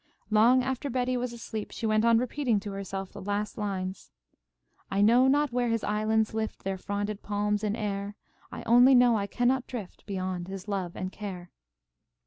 Long after Betty was asleep she went on repeating to herself the last lines: "I know not where His islands lift Their fronded palms in air, I only know I cannot drift Beyond His love and care."